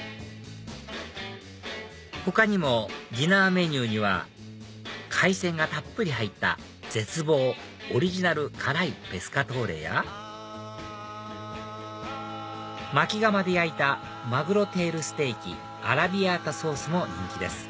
他にもディナーメニューには海鮮がたっぷり入った「絶望オリジナル辛いペスカトーレ」やまき窯で焼いた「マグロテールステーキアラビアータソース」も人気です